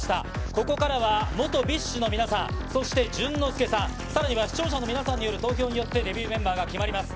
ここからは、元ＢｉＳＨの皆さん、そして淳之介さん、さらには視聴者の皆さんによる投票によって、デビューメンバーが決まります。